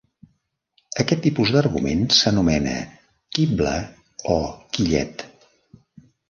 Aquest tipus d'argument s'anomena "quibble" o "quillet".